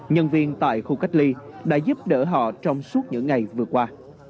nhân viên tại khu cách ly đã giúp đỡ họ trong suốt những ngày vừa qua